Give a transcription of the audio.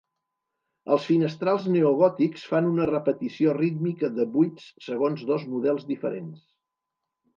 Els finestrals neogòtics fan una repetició rítmica de buits segons dos models diferents.